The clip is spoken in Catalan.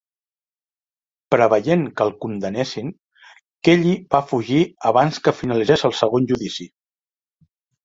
Preveient que el condemnessin, Kelly va fugir abans que finalitzés el segon judici.